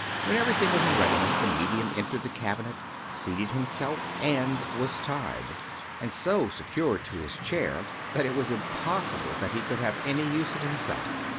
When everything was in readiness the medium entered the cabi net, seated himself and was tied, and so secured to his chair that it was impossible that he could have any use of himself.